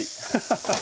ハハハ。